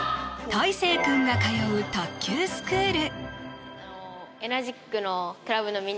たいせい君が通う卓球スクール